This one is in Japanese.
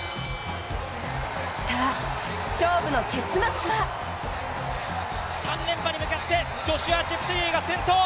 さあ、勝負の結末は３連覇に向かってジョシュア・チェプテゲイが先頭。